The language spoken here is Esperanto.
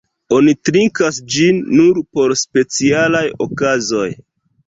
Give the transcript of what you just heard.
Oni trinkas ĝin nur por specialaj okazoj.